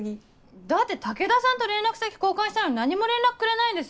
だって武田さんと連絡先交換したのに何も連絡くれないんですよ。